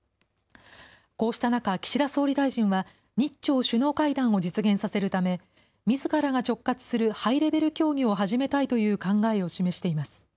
こうした中、岸田総理大臣は日朝首脳会談を実現させるため、みずからが直轄するハイレベル協議を始めたいという考えを示しています。